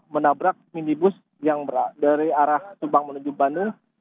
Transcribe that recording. menambrak minibus yang berat dari arah subang menuju bandung